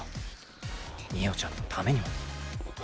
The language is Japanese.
美桜ちゃんのためにも。